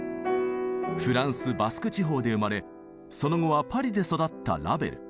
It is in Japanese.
フランスバスク地方で生まれその後はパリで育ったラヴェル。